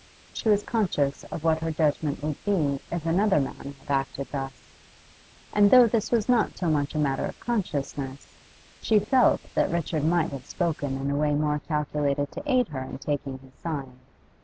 She was conscious of what her judgment would be if another man had acted thus; and though this was not so much a matter of consciousness, she felt that Richard might have spoken in a way more calculated to aid her in taking his side.